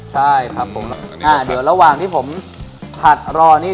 ใช่ครับผมระหว่างที่ผมผัดรอนี่